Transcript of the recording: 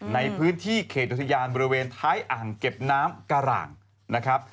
ในพื้นที่เขตอุทยานบริเวณท้ายอ่างเก็บน้ำกะหร่างนะครับ